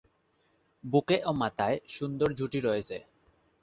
বুকে ও মাথায় সুন্দর ঝুঁটি রয়েছে।